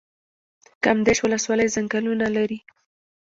کامدیش ولسوالۍ ځنګلونه لري؟